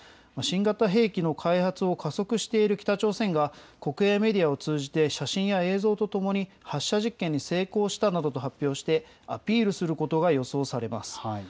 新型兵器の開発を加速している北朝鮮が、国営メディアを通じて写真や映像とともに、発射実験に成功したなどと発表して、アピールすることが予想されます。